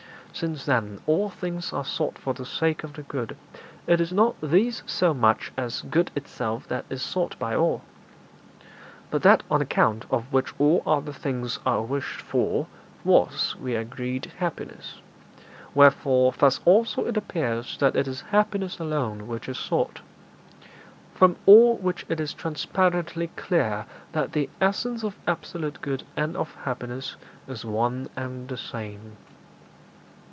Since, then, all things are sought for the sake of the good, it is not these so much as good itself that is sought by all. But that on account of which all other things are wished for was, we agreed, happiness; wherefore thus also it appears that it is happiness alone which is sought. From all which it is transparently clear that the essence of absolute good and of happiness is one and the same.'